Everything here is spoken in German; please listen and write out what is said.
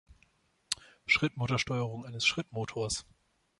Schrittmotorsteuerung eines Schrittmotors.